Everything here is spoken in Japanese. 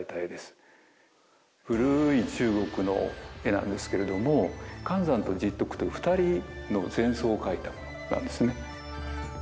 古い中国の絵なんですけれども寒山と拾得という２人の禅僧を描いた絵なんですね。